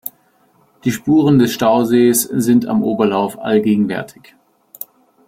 Die Spuren des Stausees sind am Oberlauf allgegenwärtig.